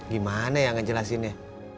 gimana yang ngejelasinnya